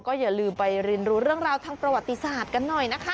อย่าลืมไปเรียนรู้เรื่องราวทางประวัติศาสตร์กันหน่อยนะคะ